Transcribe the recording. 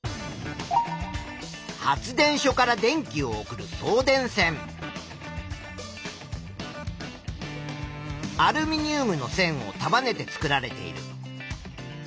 発電所から電気を送るアルミニウムの線を束ねて作られている。